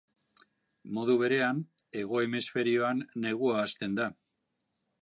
Modu berean, hego hemisferioan negua hasten da.